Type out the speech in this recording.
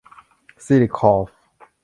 ซีลิค คอร์พ